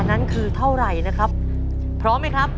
นั้นคือเท่าไหร่นะครับพร้อมไหมครับ